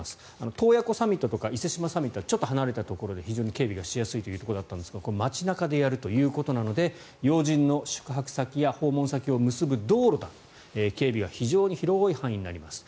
洞爺湖サミットとか伊勢志摩サミットはちょっと離れたところで非常に警備がしやすいということだったんですが街中でやるということなので要人の宿泊先や訪問先を結ぶ道路など警備が非常に広い範囲になります。